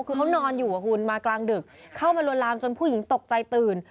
คือเขานอนอยู่กับคุณมากลางดึกเข้ามาลวนลามจนผู้หญิงตกใจตื่น